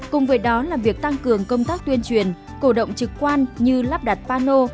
cùng với đó là việc tăng cường công tác tuyên truyền cổ động trực quan như lắp đặt pano